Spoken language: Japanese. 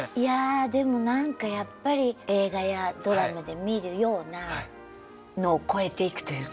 でもなんかやっぱり映画やドラマで見るようなのを超えていくというか。